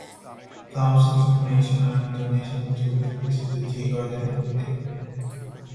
Thousands of national and international tourists visit the tea garden everyday.